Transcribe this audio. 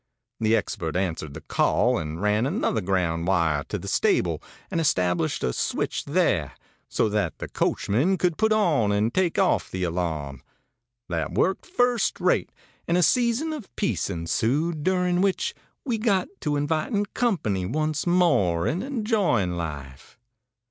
The expert answered the call, and ran another ground wire to the stable, and established a switch there, so that the coachman could put on and take off the alarm. That worked first rate, and a season of peace ensued, during which we got to inviting company once more and enjoying life.